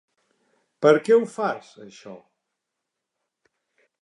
Per què ho fas, això?